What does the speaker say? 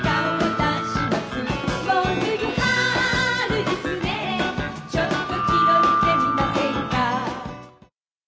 「もうすぐ春ですねちょっと気取ってみませんか」